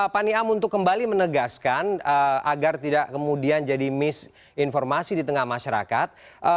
pani am untuk kembali menegaskan agar tidak kemudian jadi miss informasi di tengah masyarakat